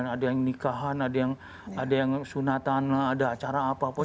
ada yang nikahan ada yang sunatan ada acara apapun